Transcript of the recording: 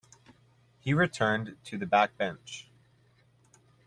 He returned to the backbench.